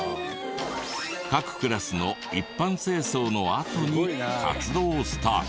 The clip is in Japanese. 各クラスの一般清掃のあとに活動スタート。